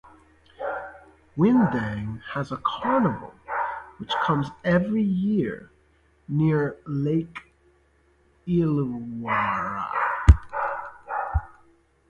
Windang has a carnival which comes every year near Lake Illawarra.